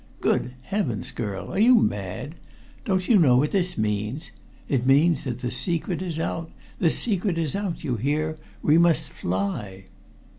Good Heavens! girl, are you mad? Don't you know what this means? It means that the secret is out the secret is out, you hear! We must fly!"